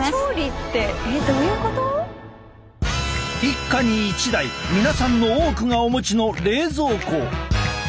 一家に一台皆さんの多くがお持ちの冷蔵庫。